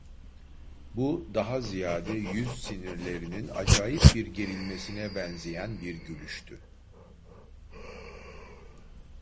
Bu, daha ziyade yüz sinirlerinin acayip bir gerilmesine benzeyen bir gülüştü.